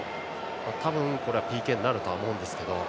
多分これはＰＫになると思うんですけど。